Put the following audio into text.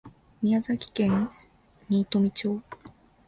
宮崎県新富町